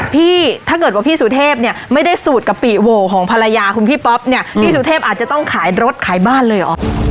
พี่รู้มั้ยว่าวันนี้มาเนี่ย